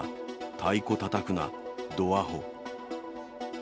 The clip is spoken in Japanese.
太鼓叩くな、ドアホ。